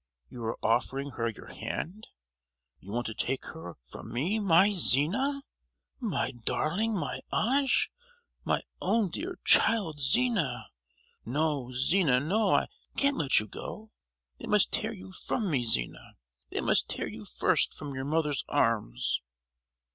you are offering her your hand. You want to take her from me, my Zina! my darling, my ange, my own dear child, Zina! No, Zina, no, I can't let you go! They must tear you from me, Zina. They must tear you first from your mother's arms!"